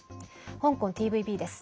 香港ＴＶＢです。